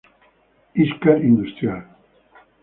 Íscar Industrial.